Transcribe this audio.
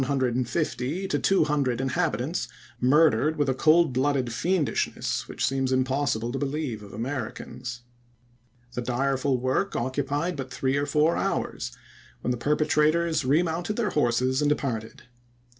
Stores and banks were robbed, 185 buildings burned, and from 150 to 200 inhabi tants murdered with a cold blooded fiendishness which seems impossible to believe of Americans. The direful work occupied but three or four hours, when the perpetrators re mounted their horses and departed.